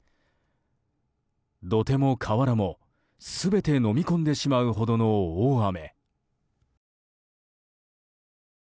土手も河原も、全てのみ込んでしまうほどの大雨。